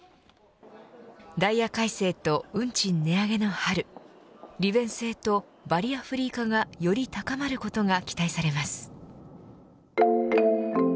ダイヤ改正と運賃値上げの春利便性とバリアフリー化がより高まることが期待されます。